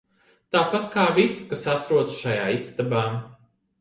Tāpat kā viss, kas atrodas šajā istabā.